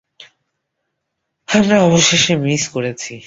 আমরা তোমাদের মিস করেছি।